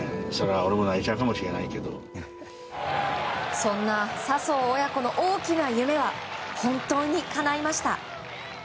そんな笹生親子の大きな夢は本当にかないました。